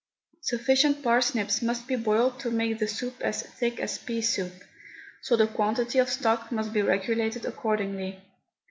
Sufficient parsnips must be boiled to make the soup as thick as pea soup, so the quantity of stock must be regulated accordingly.